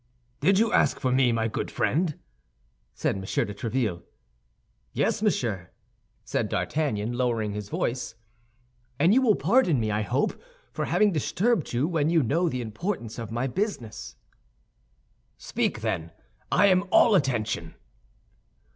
"Did you ask for me, my good friend?" said M. de Tréville. "Yes, monsieur," said D'Artagnan, lowering his voice, "and you will pardon me, I hope, for having disturbed you when you know the importance of my business." "Speak, then, I am all attention."